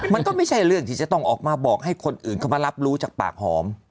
มันก็ไม่ใช่เรื่องที่จะต้องออกมาบอกให้คนอื่นเข้ามารับรู้จากปากหอม